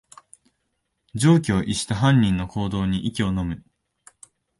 常軌を逸した犯人の行動に息をのむ